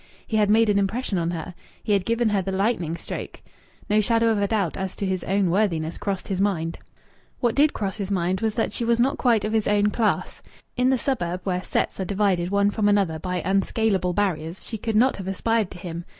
He had made an impression on her! He had given her the lightning stroke! No shadow of a doubt as to his own worthiness crossed his mind. What did cross his mind was that she was not quite of his own class. In the suburb, where "sets" are divided one from another by unscalable barriers, she could not have aspired to him.